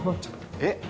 えっ！